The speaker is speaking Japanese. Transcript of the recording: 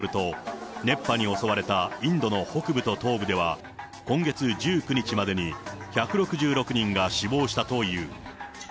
地元の保健当局によると、熱波に襲われたインドの北部と東部では、今月１９日までに１６６人が死亡したという。